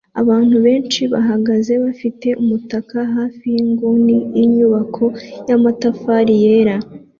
Abantu benshi bahagaze bafite umutaka hafi yinguni yinyubako yamatafari yera